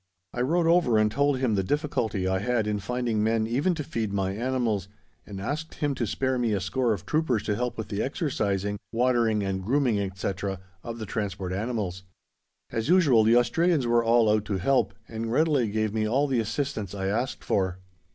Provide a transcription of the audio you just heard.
I rode over and told him the difficulty I had in finding men even to feed my animals, and asked him to spare me a score of troopers to help with the exercising, watering, and grooming, etc., of the transport animals. As usual, the Australians were all out to help, and readily gave me all the assistance I asked for.